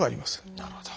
なるほど。